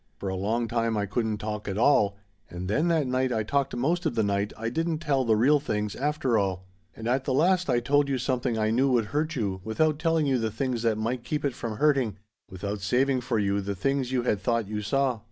For a long time I couldn't talk at all, and then that night I talked most of the night I didn't tell the real things, after all. And at the last I told you something I knew would hurt you without telling you the things that might keep it from hurting, without saving for you the things you had thought you saw.